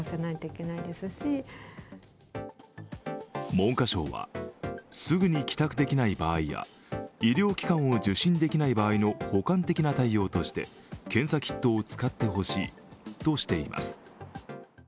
文科省はすぐに帰宅できない場合や医療機関を受診できない場合の補完的な対応として検査キットを使ってほしいとしています。